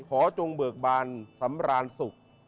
ขอจงเบิกบานสำราญศุกร์